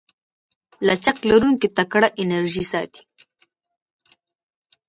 لچک لرونکی ټکر انرژي ساتي.